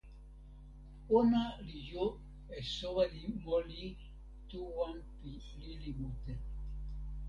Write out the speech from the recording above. ona li jo e soweli moli tu wan pi lili mute.